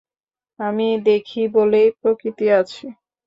আমি দেখি বলেই প্রকৃতি আছে।